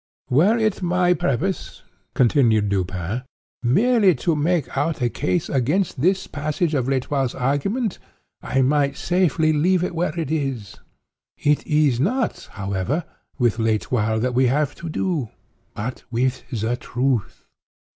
"Were it my purpose," continued Dupin, "merely to make out a case against this passage of L'Etoile's argument, I might safely leave it where it is. It is not, however, with L'Etoile that we have to do, but with the truth.